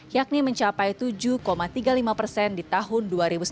yakni mencapai tujuh tiga puluh lima persen di tahun dua ribu sembilan belas